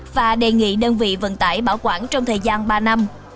và đề nghị đơn vị vận tải bảo quản trong thời gian ba năm